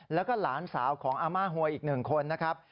แล้วก็หลานสาวของอาม่าหวยอีก๑คนนะครับ